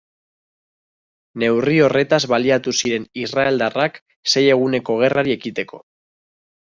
Neurri horretaz baliatu ziren israeldarrak Sei Eguneko Gerrari ekiteko.